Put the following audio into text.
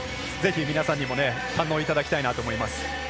ぜひ皆さんにも堪能いただきたいと思います。